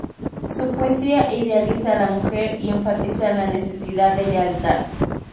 Su poesía idealiza a la mujer y enfatiza la necesidad de lealtad.